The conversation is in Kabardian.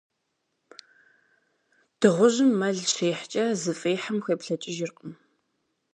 Дыгъужьым мэл щихькӏэ, зыфӏихьым хуеплӏэкӏыжыркъым.